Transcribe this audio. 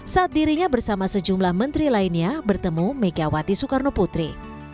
saat dirinya bersama sejumlah menteri lainnya bertemu megawati soekarno putri